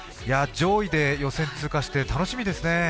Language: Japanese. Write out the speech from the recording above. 上位で予選通過して楽しみですね。